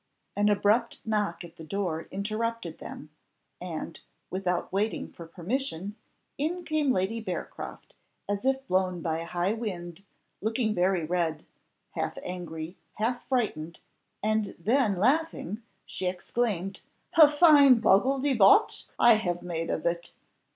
An abrupt knock at the door interrupted them, and, without waiting for permission, in came Lady Bearcroft, as if blown by a high wind, looking very red: half angry, half frightened, and then laughing, she exclaimed "A fine boggle de botch, I have made of it!"